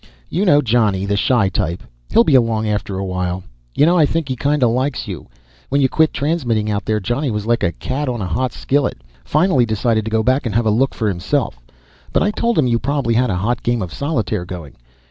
"You know Johnny; the shy type. He'll be along after a while. You know, I think he kinda likes you; when you quit transmitting out there, Johnny was like a cat on a hot skillet. Finally decided to go back and have a look for himself, but I told him you probably had a hot game of solitaire going.